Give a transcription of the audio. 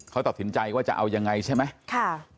เขาตัดสินใจว่าจะเอายังไงใช่ไหม